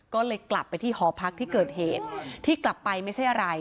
ก็เลยกลับไปที่หอพักที่เกิดเหตุที่กลับไปไม่ใช่อะไร